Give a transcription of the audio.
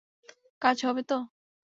কাজ হবে তো?